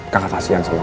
kakak kasian sama kamu